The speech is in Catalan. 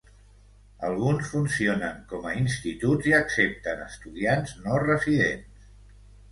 Alguns funcionen com a instituts i accepten a estudiants no residents.